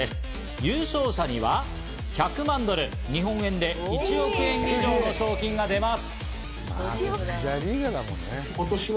優勝者には１００万ドル、日本円で１億円以上の賞金が出ます。